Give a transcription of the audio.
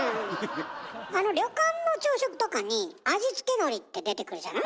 旅館の朝食とかに「味付けのり」って出てくるじゃない？